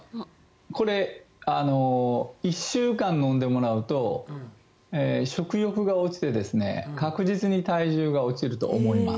これ１週間飲んでもらうと食欲が落ちて確実に体重が落ちると思います。